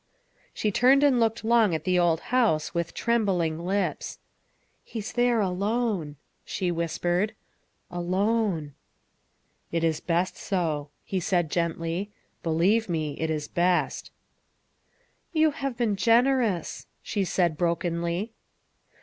She turned and looked long at the old house, with trembling lips. " He's there alone," she whispered, " alone." "It is best so," he said gently; " believe me, it is best." 310 THE WIFE OF " You have been generous," she said brokenly.